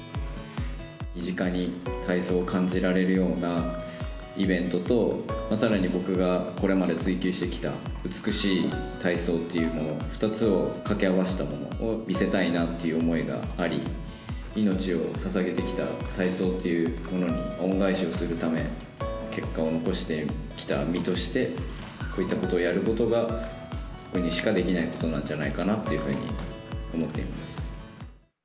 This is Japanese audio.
身近に体操を感じられるようなイベントと、さらに僕がこれまで追求してきた美しい体操というのの２つを掛け合わせたものを見せたいなっていう思いがあり、命をささげてきた体操というものに恩返しをするため、結果を残してきた身として、こういったことをやることが、僕にしかできないことなんじゃないかなというふうに思っています。